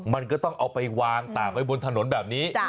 มันก็ต้องเอาไปวางตากไว้บนถนนแบบนี้